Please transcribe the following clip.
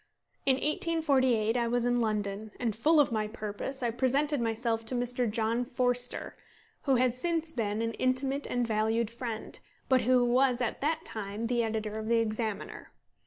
In 1848 I was in London, and, full of my purpose, I presented myself to Mr. John Forster who has since been an intimate and valued friend but who was at that time the editor of the Examiner.